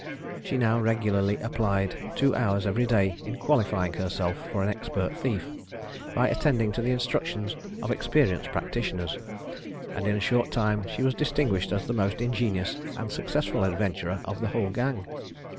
She now regularly applied two hours every day in qualifying herself for an expert thief, by attending to the instructions of experienced practitioners; and, in a short time, she was distinguished as the most ingenious and successful adventurer of the whole gang.